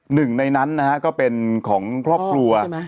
หนึ่งในนั้นนะฮะก็เป็นของครอบครัว